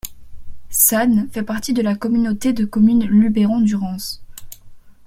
Sannes fait partie de la communauté de communes Luberon-Durance.